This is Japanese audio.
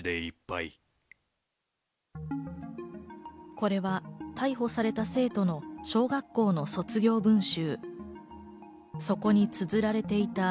これは逮捕された生徒の小学校の卒業文集。